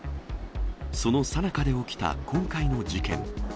そのさなかで起きた今回の事件。